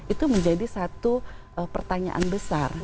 itu menjadi satu pertanyaan besar